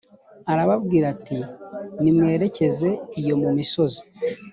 arababwira ati «mwerekeze iyo mu misozi,